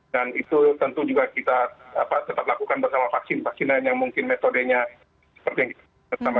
dan itu tentu juga kita tetap lakukan bersama vaksin vaksin lain yang mungkin metodenya seperti yang kita lihat